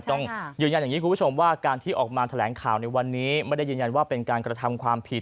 ต้องยืนยัน๒๐๐ว่าการที่ออกมาแถลงข่าวในวันนี้ไม่ได้ยืนยันว่าเป็นการกระทำความผิด